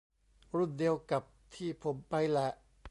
รุ่นเดียวกับที่ผมไปแหละ